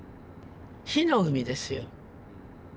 火の海ですよ。